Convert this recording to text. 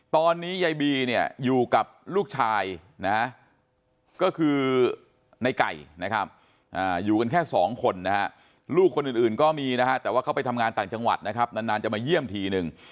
ตอนนี้ยายบีอยู่กับลูกชายก็คือในไก่อยู่กันแค่สองคนลูกคนอื่นก็มีแต่เขาไปทำงานต่างจังหวัดนานจะมาเยี่ยมทีนึง